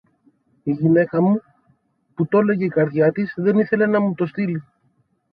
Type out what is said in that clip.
Η γυναίκα μου, που τόλεγε η καρδιά της, δεν ήθελε να μου το στείλει